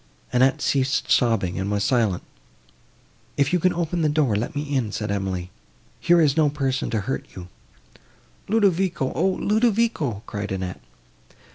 Annette ceased sobbing, and was silent. "If you can open the door, let me in," said Emily, "here is no person to hurt you." "Ludovico!—O, Ludovico!" cried Annette.